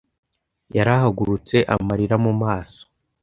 Yarahagurutse, amarira mu maso.